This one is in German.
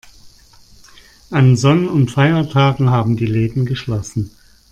An Sonn- und Feiertagen haben die Läden geschlossen.